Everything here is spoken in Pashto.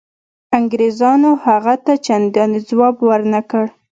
انګرېزانو هغه ته چنداني ځواب ورنه کړ.